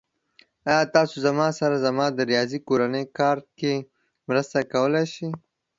ایا تاسو زما سره زما د ریاضی کورنی کار کې مرسته کولی شئ؟